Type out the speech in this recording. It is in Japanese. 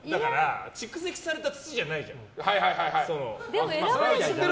蓄積された土じゃないじゃん。